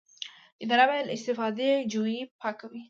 اداره باید له استفاده جویۍ پاکه وي.